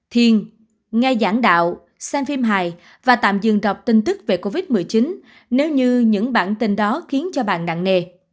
thiên nghe giảng đạo xem phim hài và tạm dừng đọc tin tức về covid một mươi chín nếu như những bản tin đó khiến cho bạn nặng nề